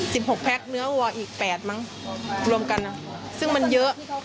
หกแพ็คเนื้อวัวอีกแปดมั้งรวมกันอ่ะซึ่งมันเยอะ